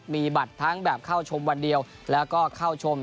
มีบัตรทั้งแบบเข้าชมวันเดียวแล้วก็เข้าชม